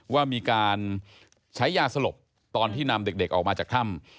ว่ามีการใช้ยาสลบตอนที่นำเด็กออกมาจากถ้ำ